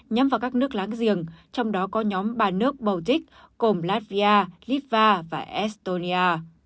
nhắm vào các nước láng giềng trong đó có nhóm ba nước baltic cùng latvia lithuania và estonia